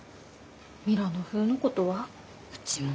ミラノ風のことはうちも。